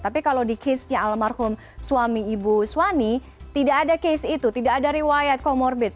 tapi kalau di case nya almarhum suami ibu swani tidak ada case itu tidak ada riwayat comorbid